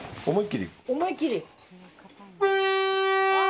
思い切り。